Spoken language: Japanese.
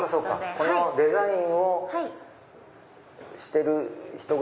このデザインをしてる人が。